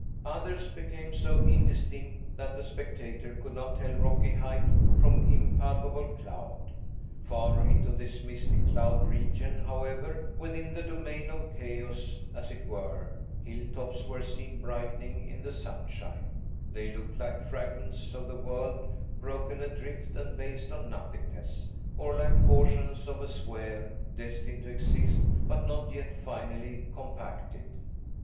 Others became so indistinct, that the spectator could not tell rocky height from impalpable cloud. Far into this misty cloud region, however, within the domain of chaos, as it were, hilltops were seen brightening in the sunshine; they looked like fragments of the world, broken adrift and based on nothingness, or like portions of a sphere destined to exist, but not yet finally compacted.